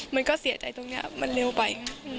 มันก็เสียใจตรงนี้มันเร็วไป